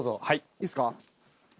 いいっすか？